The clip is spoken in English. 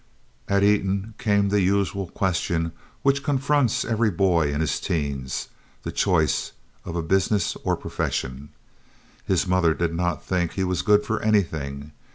At Eton came the usual question which confronts every boy in his teens the choice of a business or profession. His mother did not think he was good for anything.